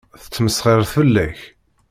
Tettmesxiṛ fell-ak.